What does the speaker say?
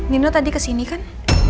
nino tadi kesini kan